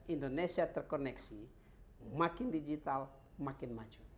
indonesia terkoneksi makin digital makin maju